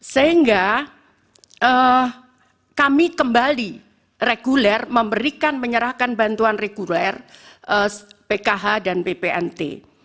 sehingga kami kembali reguler memberikan menyerahkan bantuan reguler pkh dan ppnt